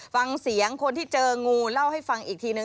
ฟังเสียงคนที่เจองูเล่าให้ฟังอีกทีนึง